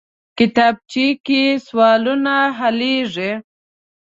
کتابچه کې سوالونه حلېږي